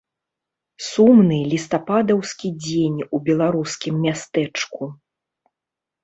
Сумны лістападаўскі дзень у беларускім мястэчку.